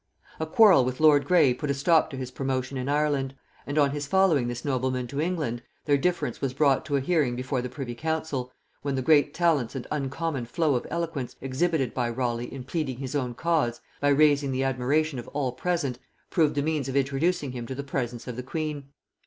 A quarrel with lord Grey put a stop to his promotion in Ireland; and on his following this nobleman to England, their difference was brought to a hearing before the privy council, when the great talents and uncommon flow of eloquence exhibited by Raleigh in pleading his own cause, by raising the admiration of all present, proved the means of introducing him to the presence of the queen.